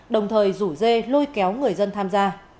đồng thời rủ dê lôi kéo người dân tham gia